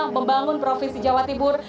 membangun provinsi jawa tibur